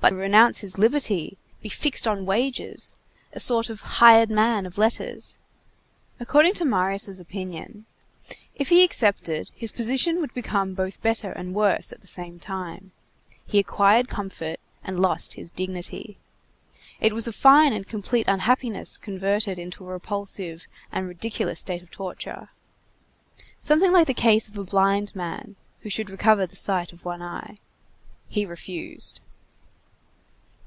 But renounce his liberty! Be on fixed wages! A sort of hired man of letters! According to Marius' opinion, if he accepted, his position would become both better and worse at the same time, he acquired comfort, and lost his dignity; it was a fine and complete unhappiness converted into a repulsive and ridiculous state of torture: something like the case of a blind man who should recover the sight of one eye. He refused.